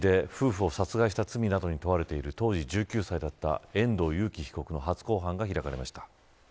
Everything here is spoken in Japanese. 続いては、山梨県甲府市で夫婦を殺害した罪などに問われている当時１９歳だった遠藤裕喜被告の初公判が開かれました。